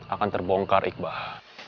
akan terbongkar iqbal